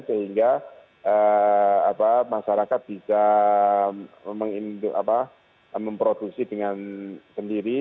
sehingga masyarakat bisa memproduksi dengan sendiri